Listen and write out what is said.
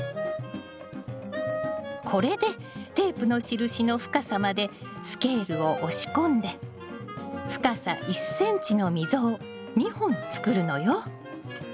これでテープの印の深さまでスケールを押し込んで深さ１ｃｍの溝を２本作るのよ。